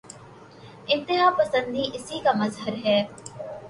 انتہاپسندی اسی کا مظہر ہے۔